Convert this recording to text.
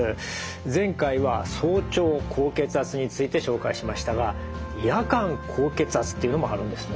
前回は早朝高血圧について紹介しましたが夜間高血圧というのもあるんですね。